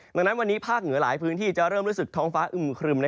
ดังนั้นวันนี้ภาคเหนือหลายพื้นที่จะเริ่มรู้สึกท้องฟ้าอึมครึม